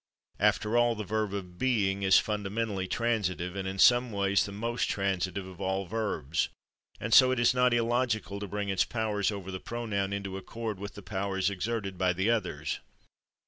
After all, the verb of being is fundamentally transitive, and, in some ways, the most transitive of all verbs, and so it is not illogical to bring its powers over the pronoun into accord with the powers exerted by the others.